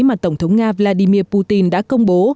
mà tổng thống nga vladimir putin đã công bố